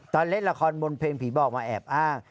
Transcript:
ตอนเล่นละครมนต์เพลงผีบอกว่าแอบอ้าง